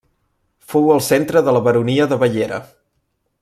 Fou el centre de la baronia de Bellera.